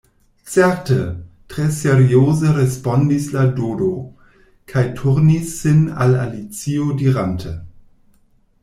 “Certe,” tre serioze respondis la Dodo, kaj turnis sin al Alicio dirante: